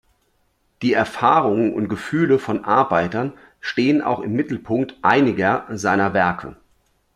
Die Erfahrungen und Gefühle von Arbeitern stehen auch im Mittelpunkt einiger seiner Werke.